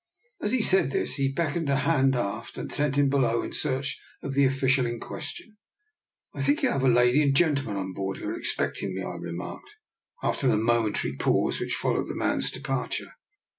As he said this he beckoned a hand aft and sent him below in search of the official in question. " I think you have a lady and gentleman on board who are expecting me? " I re marked, after the momentary pause which followed the man's departure.